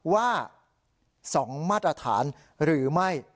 ว่า๒มาตรฐานหรือไม่